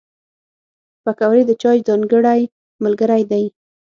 پکورې د چای ځانګړی ملګری دی